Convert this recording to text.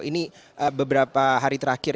ini beberapa hari terakhir